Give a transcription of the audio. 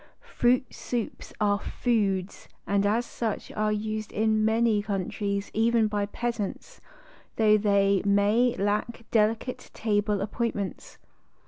Fruit soups are foods and as such are used in many countries by even the peasants, though they mav lack delicate table appointments.